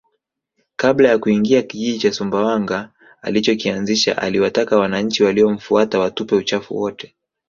Kabla ya kuingia kijiji cha Sumbawanga alichokianzisha aliwataka wananchi waliomfuata watupe uchafu wote